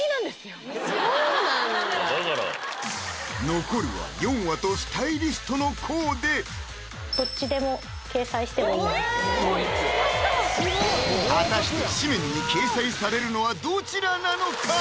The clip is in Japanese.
残るはヨンアとスタイリストのコーデ果たして誌面に掲載されるのはどちらなのか？